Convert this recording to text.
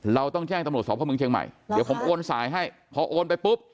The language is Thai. เราต้องแจ้งตำรวจสอบพ่อเมืองเชียงใหม่เดี๋ยวผมโอนสายให้พอโอนไปปุ๊บ